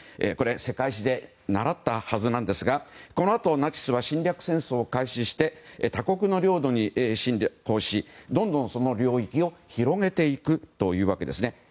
これ、世界史で習ったはずなんですがこのあとナチスは侵略戦争を開始して他国の領土に侵攻しどんどん、その領域を広げていくというわけですね。